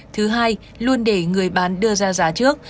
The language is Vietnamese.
thứ hai luôn để người bán đưa ra giá trước